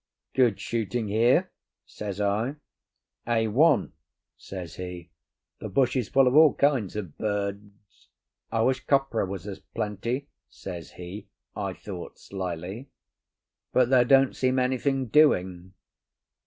"Good shooting here?" says I. "A 1," says he. "The bush is full of all kinds of birds. I wish copra was as plenty," says he—I thought, slyly—"but there don't seem anything doing."